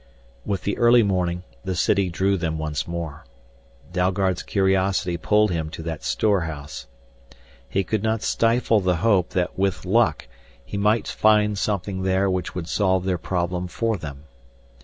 With the early morning the city drew them once more. Dalgard's curiosity pulled him to that storehouse. He could not stifle the hope that with luck he might find something there which would solve their problem for them.